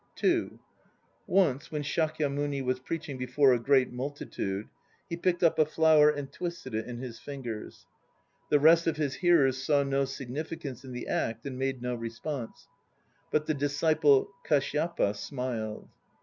(2) Once when Shakyamuni was preaching before a great multitude, he picked up a flower and twisted it in his fingers. The rest of his hearers saw no significance in the act and made no response; but the disciple Kashyapa smiled.